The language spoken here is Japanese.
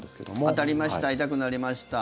当たりました痛くなりました。